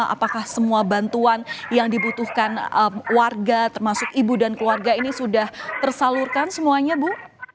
apakah semua bantuan yang dibutuhkan warga termasuk ibu dan keluarga ini sudah tersalurkan semuanya bu